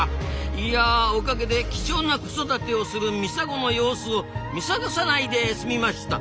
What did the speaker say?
いやおかげで貴重な子育てをするミサゴの様子をミサゴさないですみました。